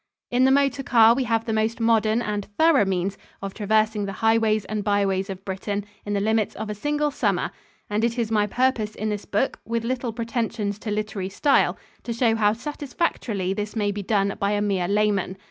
In the motor car, we have the most modern and thorough means of traversing the highways and byways of Britain in the limits of a single summer, and it is my purpose in this book, with little pretensions to literary style, to show how satisfactorily this may be done by a mere layman.